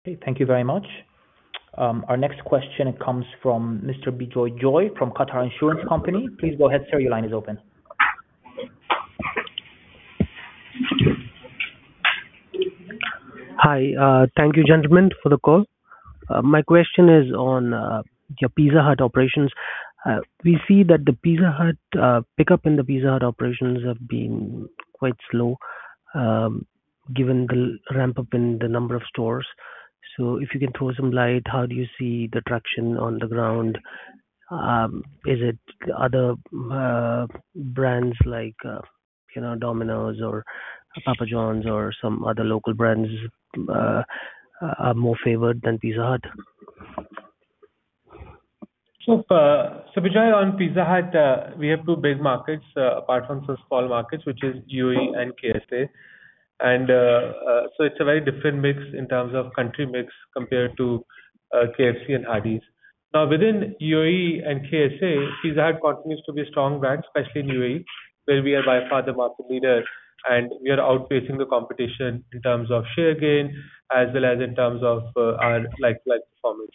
Speaker 2: Okay, thank you very much. Our next question comes from Mr. Bijoy Joy from Qatar Insurance Company. Please go ahead, sir. Your line is open.
Speaker 11: Hi. Thank you, gentlemen, for the call. My question is on your Pizza Hut operations. We see that the Pizza Hut pickup in the Pizza Hut operations have been quite slow, given the ramp-up in the number of stores. If you can throw some light, how do you see the traction on the ground? Is it other brands like, you know, Domino's or Papa John's or some other local brands, are more favored than Pizza Hut?
Speaker 4: Bijoy on Pizza Hut, we have two big markets, apart from some small markets, which is U.A.E. and K.S.A. It's a very different mix in terms of country mix compared to KFC and Hardee's. Now, within U.A.E. and K.S.A.., Pizza Hut continues to be a strong brand, especially in U.A.E., where we are by far the market leader, and we are outpacing the competition in terms of share gain as well as in terms of our like performance.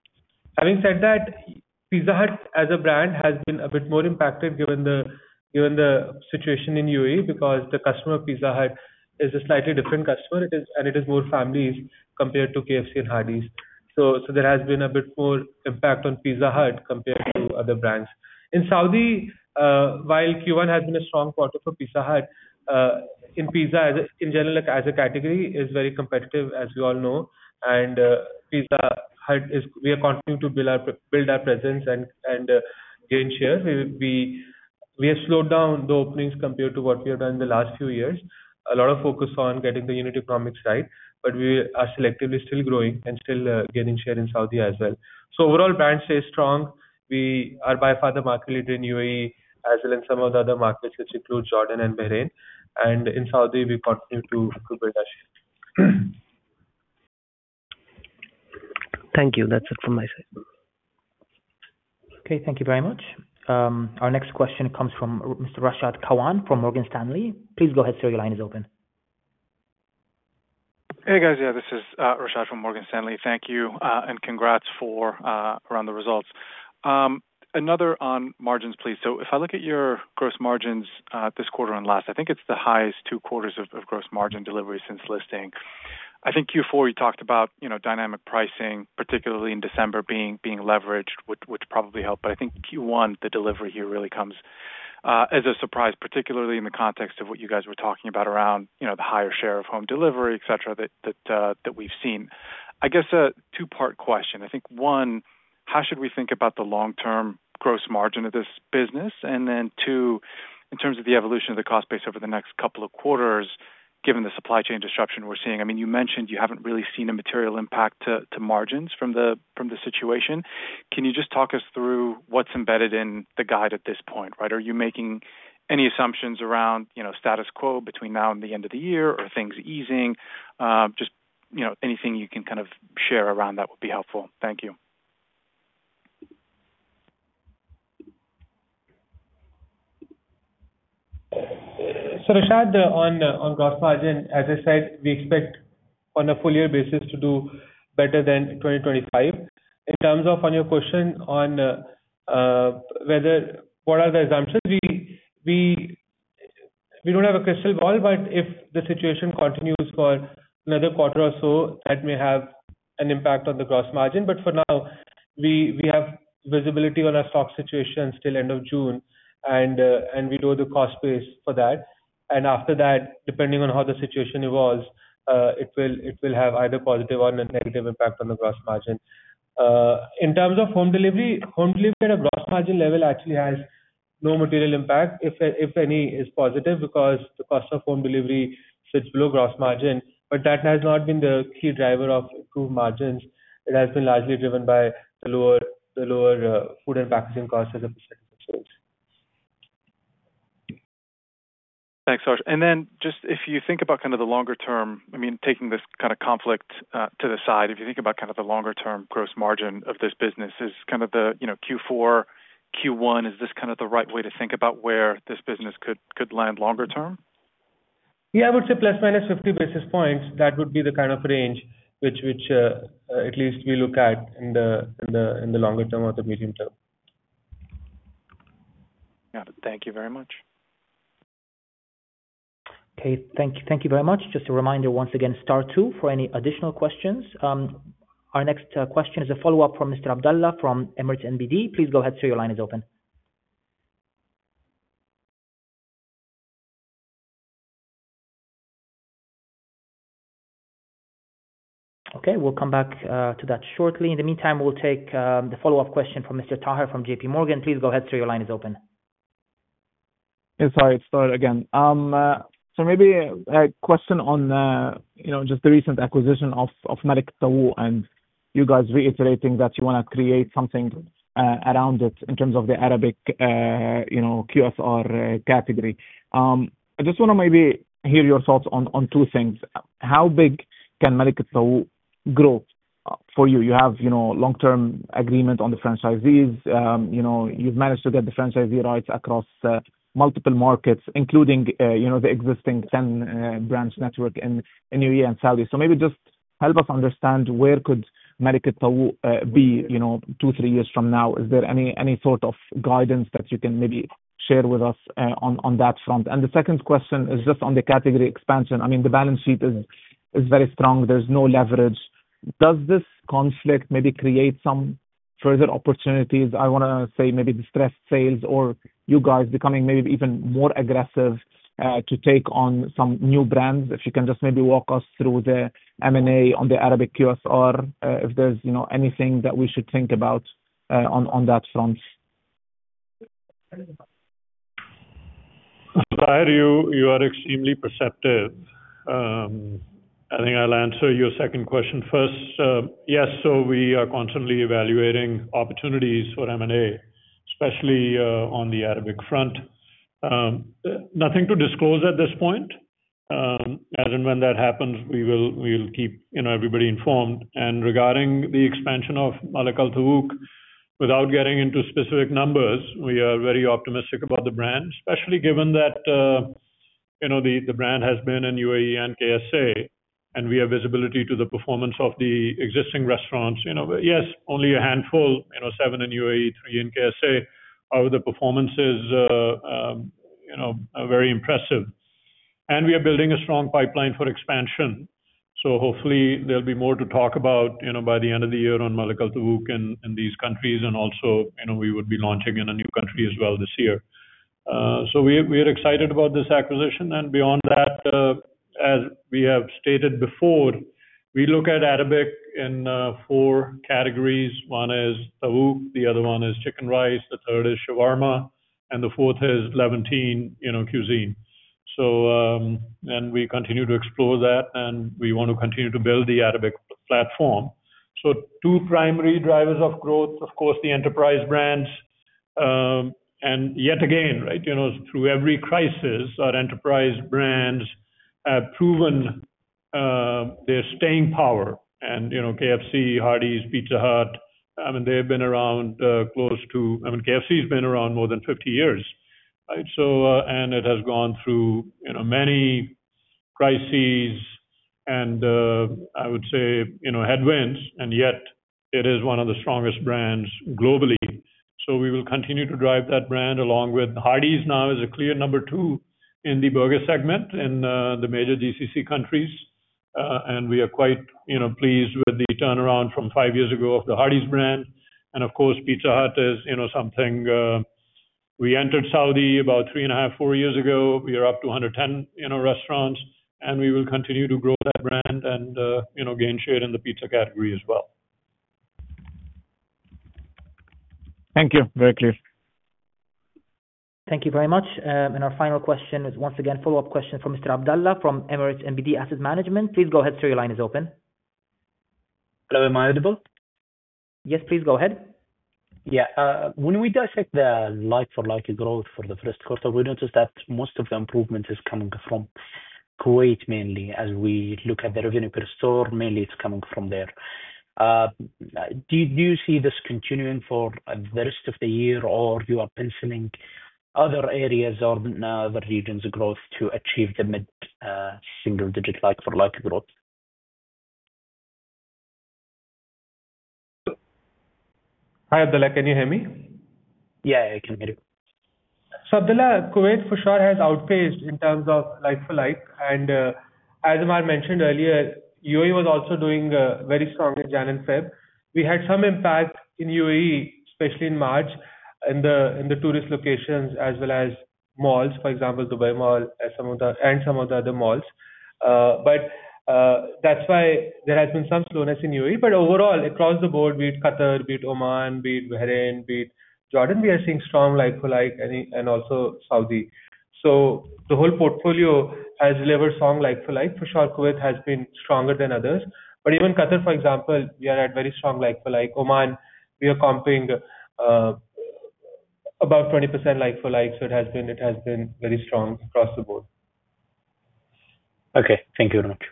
Speaker 4: Having said that, Pizza Hut as a brand has been a bit more impacted given the situation in U.A.E. because the customer of Pizza Hut is a slightly different customer. It is more families compared to KFC and Hardee's. There has been a bit more impact on Pizza Hut compared to other brands. In Saudi, while Q1 has been a strong quarter for Pizza Hut, and in general, as a category is very competitive, as you all know. Pizza Hut, we are continuing to build our presence and gain shares. We have slowed down the openings compared to what we have done in the last few years. A lot of focus on getting the unit economics right, but we are selectively still growing and still gaining share in Saudi as well. Overall brand stays strong. We are by far the market leader in U.A.E. as well in some of the other markets, which include Jordan and Bahrain. In Saudi, we continue to build our shares.
Speaker 11: Thank you. That's it from my side.
Speaker 2: Okay, thank you very much. Our next question comes from Mr. Rashad Kawan from Morgan Stanley. Please go ahead, sir. Your line is open.
Speaker 12: Hey, guys. Yeah, this is Rashad from Morgan Stanley. Thank you, and congrats for around the results. Another on margins, please. If I look at your gross margins, this quarter and last, I think it's the highest two quarters of gross margin delivery since listing. I think Q4 you talked about, you know, dynamic pricing, particularly in December being leveraged, which probably helped. I think Q1, the delivery here really comes as a surprise, particularly in the context of what you guys were talking about around, you know, the higher share of home delivery, et cetera, that we've seen. I guess a two-part question. I think, one, how should we think about the long-term gross margin of this business? Two, in terms of the evolution of the cost base over the next couple of quarters, given the supply chain disruption we're seeing. I mean, you mentioned you haven't really seen a material impact to margins from the situation. Can you just talk us through what's embedded in the guide at this point, right? Are you making any assumptions around, you know, status quo between now and the end of the year or things easing? Just, you know, anything you can kind of share around that would be helpful. Thank you.
Speaker 4: Rashad, on gross margin, as I said, we expect on a full year basis to do better than 2025. In terms of on your question on what are the assumptions, we don't have a crystal ball, but if the situation continues for another quarter or so, that may have an impact on the gross margin. For now, we have visibility on our stock situation till end of June, and we do the cost base for that. After that, depending on how the situation evolves, it will have either positive or a negative impact on the gross margin. In terms of home delivery, home delivery at a gross margin level actually has no material impact, if any, is positive because the cost of home delivery sits below gross margin. That has not been the key driver of improved margins. It has been largely driven by the lower food and packaging costs as a percentage.
Speaker 12: Thanks, Harsh. Just if you think about kind of the longer term, I mean, taking this kind of conflict to the side, if you think about kind of the longer term gross margin of this business is kind of the, you know, Q4, Q1, is this kind of the right way to think about where this business could land longer term?
Speaker 4: Yeah, I would say ±50 basis points. That would be the kind of range which, at least we look at in the longer term or the medium term.
Speaker 12: Got it. Thank you very much.
Speaker 2: Okay. Thank you very much. Just a reminder once again, star two for any additional questions. Our next question is a follow-up from Mr. Abdullah from Emirates NBD. Please go ahead, sir. Your line is open. Okay, we'll come back to that shortly. In the meantime, we'll take the follow-up question from Mr. Taher from JPMorgan. Please go ahead, sir. Your line is open.
Speaker 6: Yeah, sorry. Start again. Maybe a question on, you know, just the recent acquisition of Malak Al Tawouk, and you guys reiterating that you wanna create something around it in terms of the Arabic, you know, QSR category. I just wanna maybe hear your thoughts on two things. How big can Malak Al Tawouk grow for you? You have, you know, long-term agreement on the franchisees. You know, you've managed to get the franchisee rights across multiple markets, including, you know, the existing 10 branch network in U.A.E. and Saudi. Maybe just help us understand where could Malak Al Tawouk be, you know, two, three years from now. Is there any sort of guidance that you can maybe share with us on that front? The second question is just on the category expansion. I mean, the balance sheet is very strong. There's no leverage. Does this conflict maybe create some further opportunities? I wanna say maybe distressed sales or you guys becoming maybe even more aggressive to take on some new brands. If you can just maybe walk us through the M&A on the Arabic QSR, if there's, you know, anything that we should think about on that front.
Speaker 3: Taher, you are extremely perceptive. I think I'll answer your second question first. Yes, we are constantly evaluating opportunities for M&A, especially on the Arabic front. Nothing to disclose at this point. As and when that happens, we'll keep, you know, everybody informed. Regarding the expansion of Malak Al Tawouk, without getting into specific numbers, we are very optimistic about the brand, especially given that, you know, the brand has been in U.A.E. and K.S.A., and we have visibility to the performance of the existing restaurants. You know, yes, only a handful, you know, seven in U.A.E., three in K.S.A., with the performances, you know, are very impressive. We are building a strong pipeline for expansion. Hopefully there'll be more to talk about, you know, by the end of the year on Malak Al Tawouk in these countries, and also, you know, we would be launching in a new country as well this year. So we are excited about this acquisition. Beyond that, as we have stated before, we look at Arabic in four categories. One is Tawouk, the other one is chicken rice, the third is shawarma, and the fourth is Levantine, you know, cuisine. We continue to explore that, and we want to continue to build the Arabic platform. Two primary drivers of growth, of course, the enterprise brands. Yet again, you know, through every crisis, our enterprise brands have proven their staying power. You know, KFC, Hardee's, Pizza Hut, I mean, they have been around. I mean, KFC has been around more than 50 years, right? It has gone through, you know, many crises and, I would say, you know, headwinds, and yet it is one of the strongest brands globally. We will continue to drive that brand along with Hardee's now is a clear number two in the burger segment in the major GCC countries. We are quite, you know, pleased with the turnaround from five years ago of the Hardee's brand. Of course, Pizza Hut is, you know, something, we entered Saudi about three and a half, four years ago. We are up to 110 in our restaurants, and we will continue to grow that brand and, you know, gain share in the pizza category as well.
Speaker 6: Thank you. Very clear.
Speaker 2: Thank you very much. Our final question is once again, a follow-up question from Mr. Abdullah from Emirates NBD Asset Management. Please go ahead, sir. Your line is open.
Speaker 9: Hello, am I audible?
Speaker 2: Yes, please go ahead.
Speaker 9: Yeah. When we dissect the like-for-like growth for the first quarter, we notice that most of the improvement is coming from Kuwait mainly as we look at the revenue per store, mainly it's coming from there. Do you see this continuing for the rest of the year, or you are penciling other areas or other regions growth to achieve the mid-single-digit like-for-like growth?
Speaker 4: Hi, Abdullah, can you hear me?
Speaker 9: Yeah, I can hear you.
Speaker 4: Abdullah, Kuwait for sure has outpaced in terms of like-for-like. As Amarpal mentioned earlier, U.A.E. was also doing very strong in January and February. We had some impact in U.A.E., especially in March, in the tourist locations as well as malls, for example, Dubai Mall as some of the other malls. That's why there has been some slowness in U.A.E. Overall, across the board, be it Qatar, be it Oman, be it Bahrain, be it Jordan, we are seeing strong like-for-like and also Saudi. The whole portfolio has delivered strong like-for-like. For sure, Kuwait has been stronger than others. Even Qatar, for example, we are at very strong like-for-like. Oman, we are comping about 20% like-for-like. It has been very strong across the board.
Speaker 9: Okay. Thank you very much.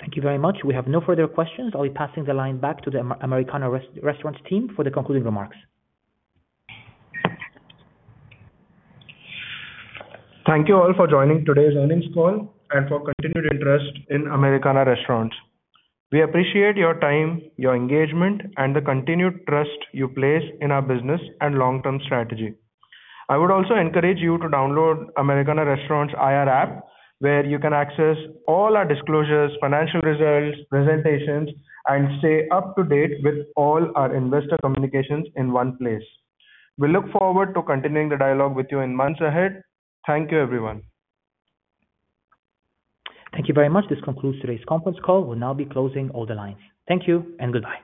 Speaker 2: Thank you very much. We have no further questions. I'll be passing the line back to the Americana Restaurants team for the concluding remarks.
Speaker 3: Thank you all for joining today's earnings call and for continued interest in Americana Restaurants. We appreciate your time, your engagement, and the continued trust you place in our business and long-term strategy. I would also encourage you to download Americana Restaurants IR app, where you can access all our disclosures, financial results, presentations, and stay up-to-date with all our investor communications in one place. We look forward to continuing the dialogue with you in months ahead. Thank you, everyone.
Speaker 2: Thank you very much. This concludes today's conference call. We'll now be closing all the lines. Thank you and goodbye.